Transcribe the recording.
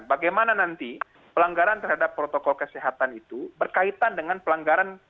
bagaimana nanti pelanggaran terhadap protokol kesehatan itu berkaitan dengan pelanggaran